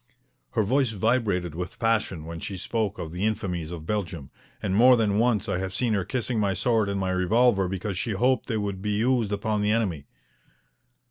Her voice vibrated with passion when she spoke of the infamies of Belgium, and more than once I have seen her kissing my sword and my revolver because she hoped they would be used upon the enemy.